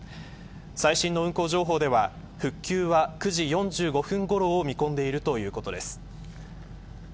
最新の運行情報では、復旧は９時４５分ごろを見込んでいるということです。